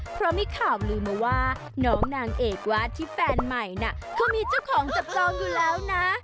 เพราะมีข่าวลืมมาว่าน้องนางเอกวาดที่แฟนใหม่น่ะเขามีเจ้าของจับจองอยู่แล้วนะ